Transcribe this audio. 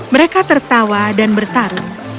mereka tertawa dan bertarung